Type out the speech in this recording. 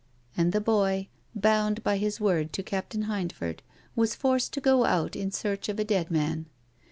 And the boy, bound by his word to Captain Hindford, was forced to go out in search of a dead man.